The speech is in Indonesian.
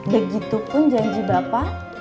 begitupun janji bapak